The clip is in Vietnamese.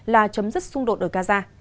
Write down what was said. là chấm dứt xung đột đổi gaza